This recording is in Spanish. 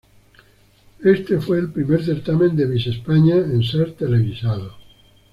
Este fue el primer certamen del Miss España en ser televisado.